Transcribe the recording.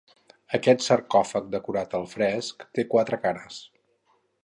Aquest sarcòfag, decorat al fresc, té quatre cares.